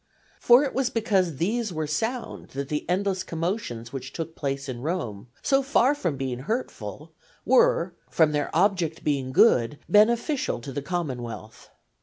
For it was because these were sound that the endless commotions which took place in Rome, so far from being hurtful, were, from their object being good, beneficial to the commonwealth.